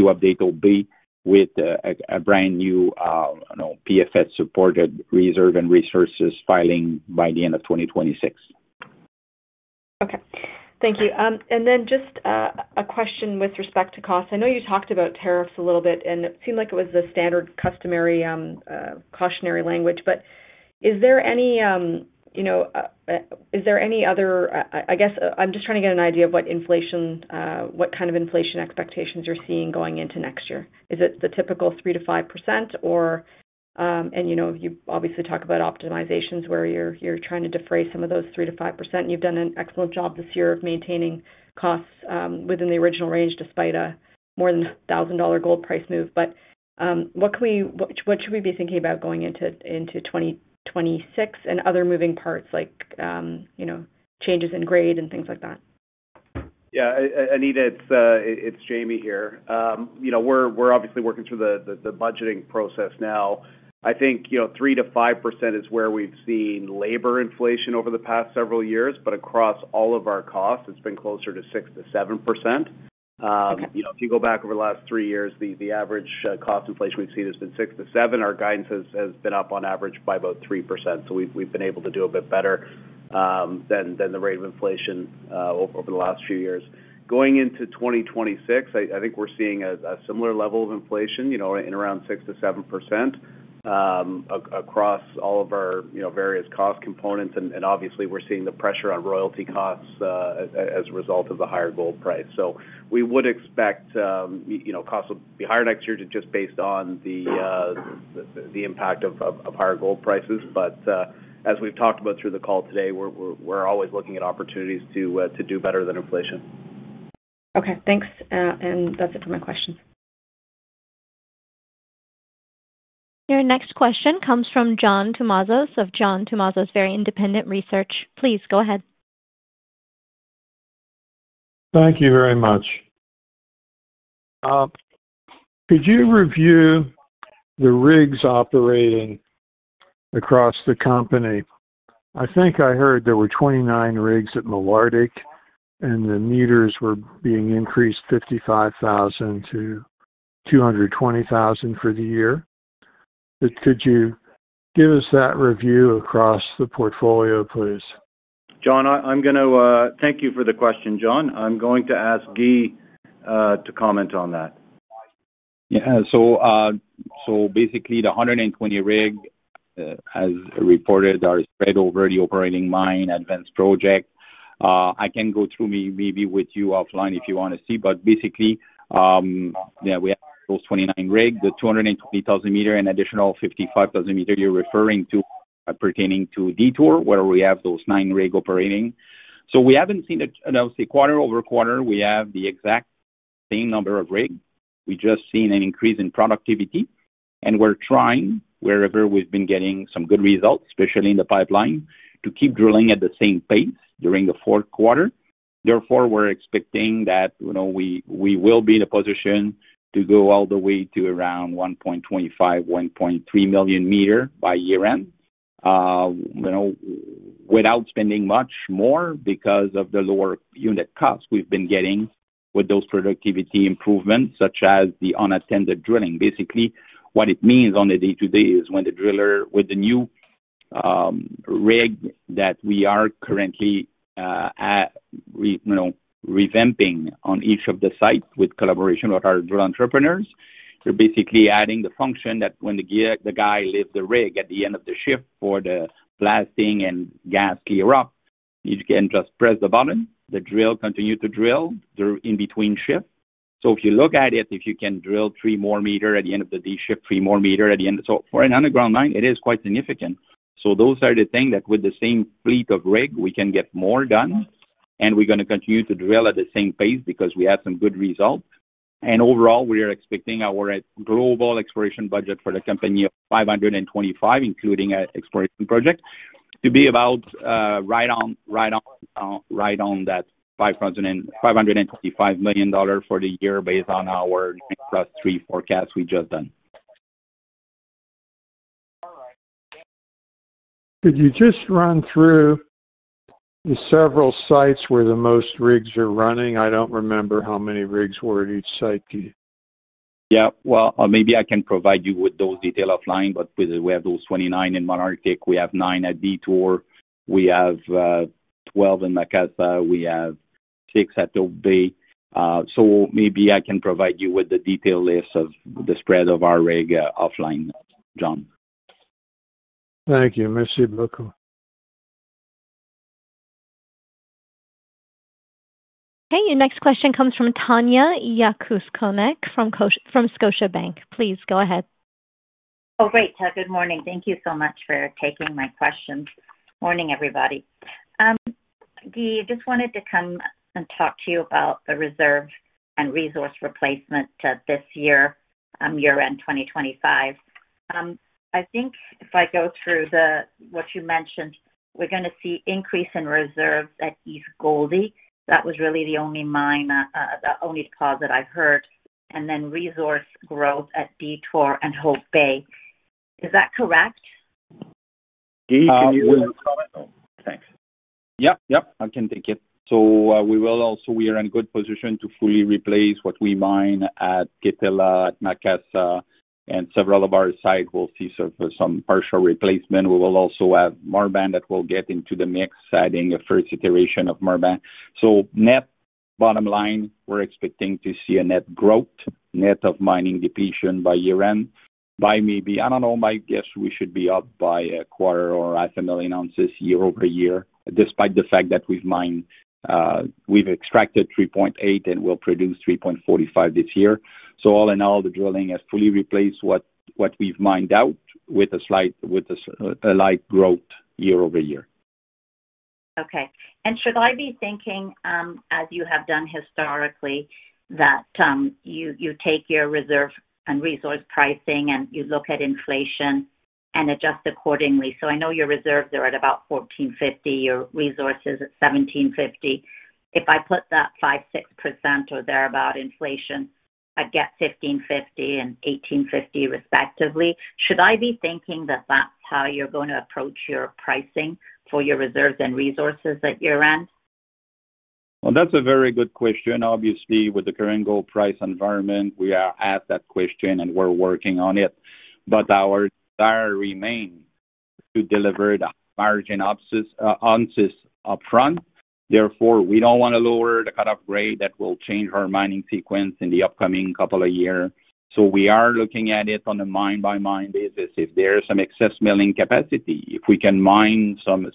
OB with a brand new PFS-supported reserve and resources filing by the end of 2026. Okay, thank you. Just a question with respect to costs. I know you talked about tariffs a little bit, and it seemed like it was the standard customary cautionary language, but is there any, you know, is there any other. I guess I'm just trying to get an idea of what inflation, what kind of inflation expectations you're seeing going into next year. Is it the typical 3%-5%, or. You obviously talk about optimizations where you're trying to defray some of those 3%-5%. You've done an excellent job this year of maintaining costs within the original range despite a more than $1,000 gold price move. What should we be thinking about going into 2026 and other moving parts like changes in grade and things like that? Yeah, Anita, it's Jamie here. We're obviously working through the budgeting process now. I think 3%-5% is where we've seen labor inflation over the past several years, but across all of our costs it's been closer to 6%-7%. If you go back over the last three years, the average cost inflation we've seen has been 6%-7%. Our guidance has been up on average by about 3%, so we've been able to do a bit better than the rate of inflation over the last few years going into 2026. I think we're seeing a similar level of inflation in around 6%-7% across all of our various cost components. Obviously, we're seeing the pressure on royalty costs as a result of the higher gold price. We would expect costs will be higher next year just based on the impact of higher gold prices. As we've talked about through the call today, we're always looking at opportunities to do better than inflation. Okay, thanks. That's it for my questions. Your next question comes from John Tumazos of John Tumazos Very Independent Research. Please go ahead. Thank you very much. Could you review the rigs operating across the company? I think I heard there were 29 rigs at Canadian Malartic and the meters were being increased from 55,000-220,000 for the year. Could you give us that review across the portfolio please, John? I'm going to thank you for the question, John. I'm going to ask Guy to comment on that. Yeah, so basically the 120 rigs as reported are spread over the operating mine advanced project. I can go through maybe with you offline if you want to see. Basically, we have those 29 rigs, the 220,000 m, and additional 55,000 m you're referring to pertaining to Detour where we have those nine rigs operating. We haven't seen quarter-over-quarter, we have the exact same number of rigs. We've just seen an increase in productivity and we're trying, wherever we've been getting some good results, especially in the pipeline, to keep drilling at the same pace during the fourth quarter. Therefore, we're expecting that we will be in a position to go all the way to around 1.25 million-1.3 million m by year end without spending much more because of the lower unit cost we've been getting with those productivity improvements such as the unattended drilling. Basically, what it means on the day to day is when the driller with the new rig that we are currently revamping on each of the sites with collaboration with our drill entrepreneurs, you're basically adding the function that when the guy lifts the rig at the end of the shift for the blasting and gas clear up, you can just press the button and the drill continues to drill in between shifts. If you look at it, if you can drill 3 more meters at the end of the D shift, 3 more meters at the end, for an underground mine it is quite significant. Those are the things that with the same fleet of rigs we can get more done and we're going to continue to drill at the same pace because we have some good results. Overall, we are expecting our global exploration budget for the company of 525 including exploration project to be about right on that $525 million for the year based on our +3 forecast. Could you just run through the several. Sites where the most rigs are running. I don't remember how many rigs were at each site. Maybe I can provide you with those details offline. We have those 29 in Canadian Malartic, we have nine at Detour, we have 12 in Macassa, we have six at Hope Bay. Maybe I can provide you with the detailed list of the spread of our rig offline, John. Thank you. Okay, your next question comes from Tanya Jakusconek from Scotiabank. Please go ahead. Oh great. Good morning. Thank you so much for taking my questions. Morning everybody. I just wanted to come and talk to you about the reserve and resource replacement this year, year end 2025. I think if I go through what you mentioned, we're going to see increase in reserves at East Goldie. That was really the only mine, the only deposit I heard. Then resource growth at Detour and Hope Bay. Is that correct? Thanks. Yeah, I can take it. We are in good position to fully replace what we mine at Kittilä and at Macassa. Several of our sites will see some partial replacement. We will also have Marban that will get into the mix, adding a first iteration of Marban. Net bottom line, we're expecting to see a net growth, net of mining depletion by year end by maybe, I don't know, my guess, we should be up by a quarter or half a million ounces year-over-year. Despite the fact that we've mined, we've extracted 3.8 and will produce 3.45 this year. All in all, the drilling has fully replaced what we've mined out with a slight, with a light growth year-over-year. Okay, should I be thinking, as you have done historically, that you take your reserve and resource pricing and you look at inflation and adjust accordingly? I know your reserves are at about $1,450, your resources at $1,750. If I put that 5% or 6% or thereabout inflation, I get $1,550 and $1,850 respectively. Should I be thinking that that's how you're going to approach your pricing for your reserves and resources at year end? That's a very good question. Obviously, with the current gold price environment, we are asked that question and we're working on it. Our desire remains to deliver the margin on this upfront. Therefore, we don't want to lower the cutoff grade that will change our mining sequence in the upcoming couple of years. We are looking at it on a mine-by-mine basis if there is some excess milling capacity, if we can mine some.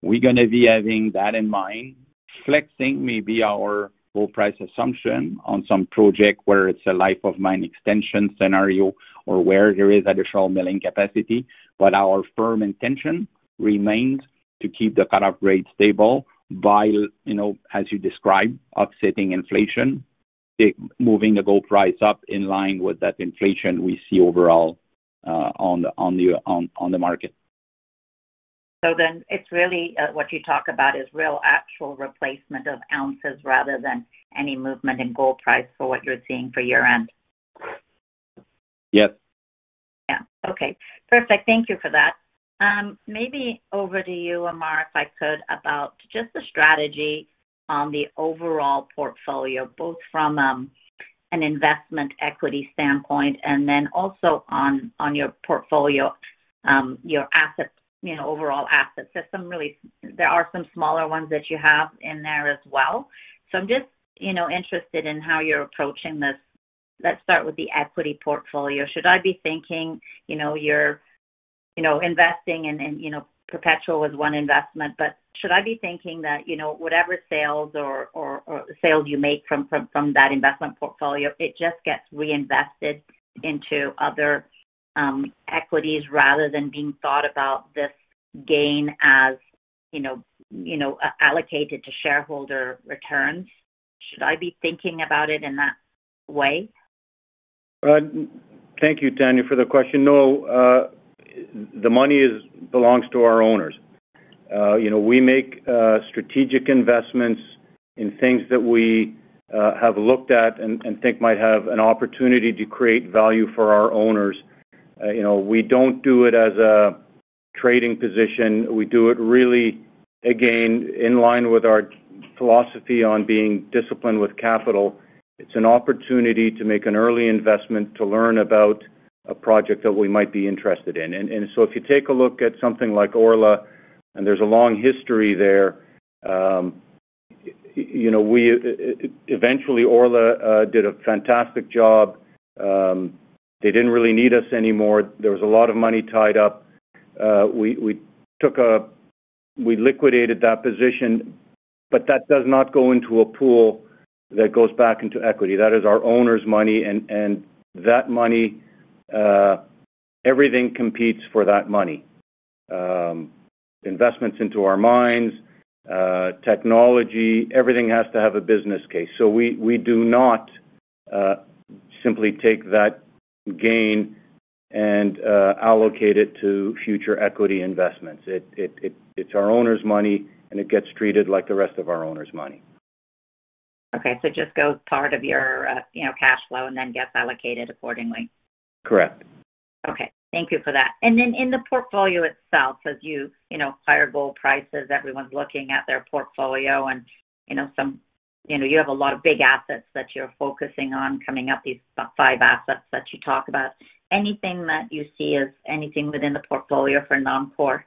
We are going to be having that in mind, flexing maybe our gold price assumption on some project where it's a life of mine extension scenario or where there is additional milling capacity. Our firm intention remains to keep the cutoff rate stable by, as you described, offsetting inflation, moving the gold price up in line with that inflation we see overall on the market. It is really what you talk about, actual replacement of ounces rather than any movement in gold price for what you're seeing for year end. Yes. Yeah. Okay, perfect. Thank you for that. Maybe over to you, Ammar, if I could about just the strategy on the overall portfolio, both from an investment equity standpoint and then also on your portfolio, your assets, you know, overall assets, there are some smaller ones that you have in there as well. I'm just interested in how you're approaching this. Let's start with the equity portfolio. Should I be thinking, you know, you're investing and, you know, Perpetua was one investment, but should I be thinking that, you know, whatever sales or sales you make from that investment portfolio, it just gets reinvested into other equities, rather than being thought about this gain as, you know, allocated to shareholder returns. Should I be thinking about it in that way? Thank you, Tanya, for the question. No, the money belongs to our owners. We make strategic investments in things that we have looked at and think might have an opportunity to create value for our owners. We don't do it as a trading position. We do it really, again, in line with our philosophy on being disciplined with capital. It's an opportunity to make an early investment to learn about a project that we might be interested in. If you take a look at something like Orla, and there's a long history there, we eventually, Orla did a fantastic job. They didn't really need us anymore. There was a lot of money tied up. We liquidated that position. That does not go into a pool that goes back into equity. That is our owners' money. That money, everything competes for that money. Investments into our mines, technology, everything has to have a business case. We do not simply take that gain and allocate it to future equity investments. It's our owners' money and it gets treated like the rest of our owners' money. Okay, it just goes part of your cash flow and then gets allocated accordingly. Correct. Okay, thank you for that. In the portfolio itself, as you know, higher gold prices, everyone's looking at their portfolio and you know, you have a lot of big assets that you're focusing on coming up. These five assets that you talk about, anything that you see as anything within the portfolio for non core.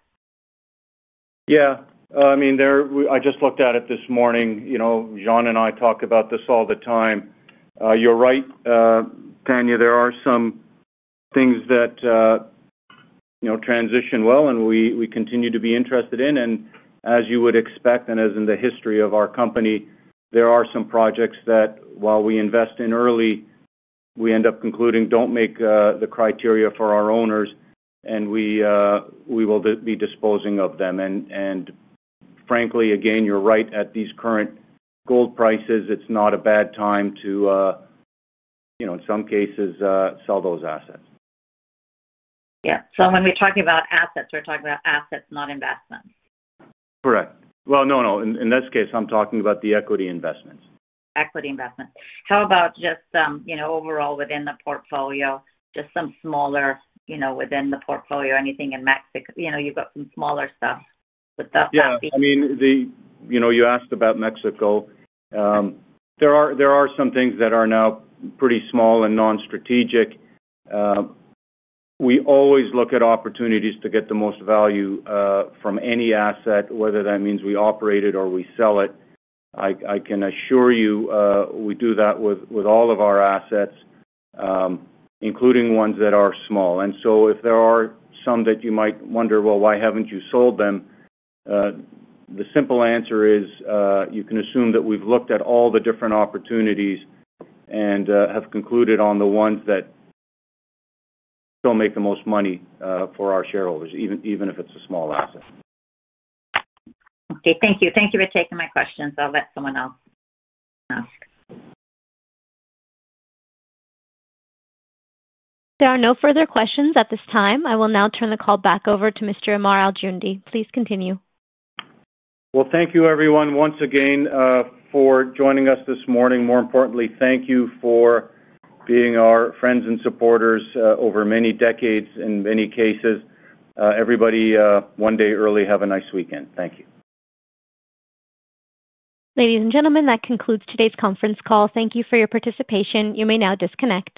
Yeah, I mean, I just looked at it this morning. You know, John and I talk about this all the time. You're right, Tanya. There are some things that transition well and we continue to be interested in. As you would expect, and as in the history of our company, there are some projects that while we invest in early, we end up concluding don't make the criteria for our owners and we will be disposing of them. Frankly, again, you're right. At these current gold prices, it's not a bad time to, you know, in some cases sell those assets. When we're talking about assets, we're talking about assets, not investments, correct? No, in this case, I'm talking about the equity investments. Equity investments. How about just, you know, overall within the portfolio, just some smaller, you know, within the portfolio. Anything in Mexico, you know, you've got some smaller stuff. I mean, you asked about Mexico. There are some things that are now pretty small and non-strategic. We always look at opportunities to get the most value from any asset, whether that means we operate it or we sell it. I can assure you we do that with all of our assets, including ones that are small. If there are some that you might wonder, why haven't you sold them? The simple answer is you can assume that we've looked at all the different opportunities and have concluded on the ones that still make the most money for our shareholders, even if it's a small asset. Okay, thank you. Thank you for taking my questions. I'll let someone else ask. There are no further questions at this time. I will now turn the call back over to Mr. Ammar Al-Joundi. Please continue. Thank you everyone once again for joining us this morning. More importantly, thank you for being our friends and supporters over many decades. In many cases, everybody one day early. Have a nice weekend. Thank you. Ladies and gentlemen, that concludes today's conference call. Thank you for your participation. You may now disconnect.